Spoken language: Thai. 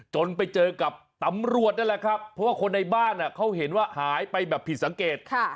ไปเจอกับตำรวจนั่นแหละครับเพราะว่าคนในบ้านเขาเห็นว่าหายไปแบบผิดสังเกต